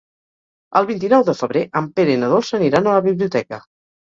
El vint-i-nou de febrer en Pere i na Dolça aniran a la biblioteca.